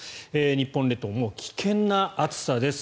日本列島、危険な暑さです。